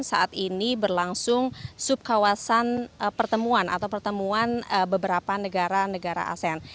saat ini berlangsung subkawasan pertemuan atau pertemuan beberapa negara negara asean